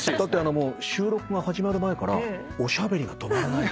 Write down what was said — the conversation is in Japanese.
収録が始まる前からおしゃべりが止まらないっていう。